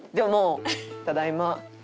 「ただいま。